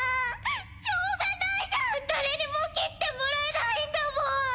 しょうがないじゃん誰にも切ってもらえないんだもん。